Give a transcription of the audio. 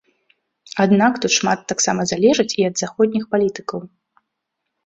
Аднак тут шмат таксама залежыць і ад заходніх палітыкаў.